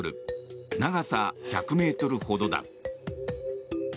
長さ１００ｍほどだ。